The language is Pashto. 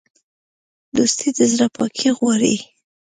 دوستي د زړه پاکي غواړي.